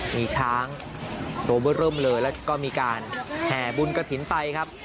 มีช้างโดบร่มเลยแล้วก็มีการแห่บุญกฐินไปครับ